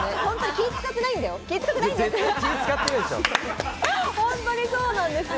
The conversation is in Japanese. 気ぃ使ってないんだよ。